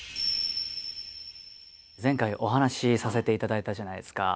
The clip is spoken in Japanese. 前回お話しさせていただいたじゃないですか。